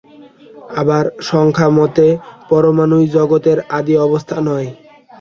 আবার সাংখ্যমতে পরমাণুই জগতের আদি অবস্থা নয়।